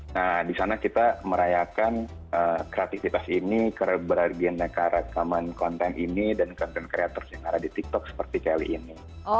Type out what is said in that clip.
nah di sana kita merayakan kreativitas ini ke bergeneka rekaman konten ini dan content creators yang ada di tiktok seperti kelly ini